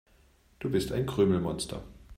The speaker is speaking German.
Du bist ein Krümelmonster.